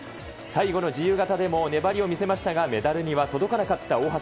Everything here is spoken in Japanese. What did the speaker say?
最後の自由形でも粘りを見せましたが、メダルには届かなかった大橋。